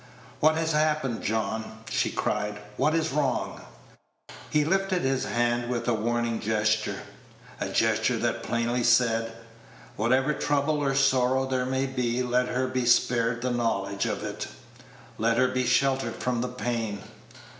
"What has happened, John?" she cried; "what is wrong?" He lifted his hand with a warning gesture a gesture that plainly said, Whatever trouble or sorrow there may be, let her be spared the knowledge of it let her be sheltered from the pain.